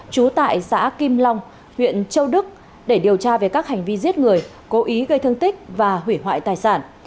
trú tại xã kim long huyện châu đức để điều tra về các hành vi giết người cố ý gây thương tích và hủy hoại tài sản